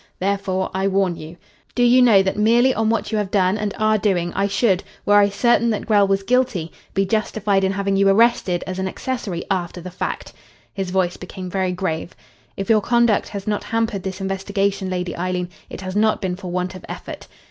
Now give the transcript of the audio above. Therefore I warn you. Do you know that merely on what you have done and are doing I should, were I certain that Grell was guilty, be justified in having you arrested as an accessory after the fact?" His voice became very grave. "If your conduct has not hampered this investigation, Lady Eileen, it has not been for want of effort.